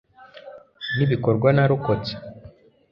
Nibikorwa narokotse